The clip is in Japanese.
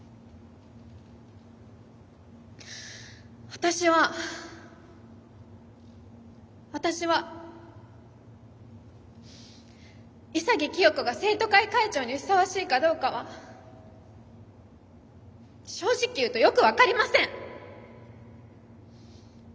私は私は潔清子が生徒会会長にふさわしいかどうかは正直言うとよく分かりません。